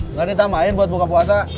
nggak ditambahin buat buka puasa